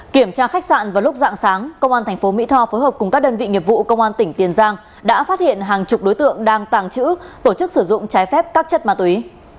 kiểm tra khách sạn vào lúc dạng sáng công an tp mỹ tho phối hợp cùng các đơn vị nghiệp vụ công an tỉnh tiền giang đã phát hiện hàng chục đối tượng đang tàng trữ tổ chức sử dụng trái phép các chất ma túy